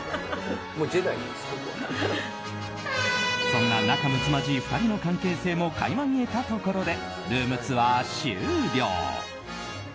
そんな仲むつまじい２人の関係性も垣間見えたところでルームツアー終了！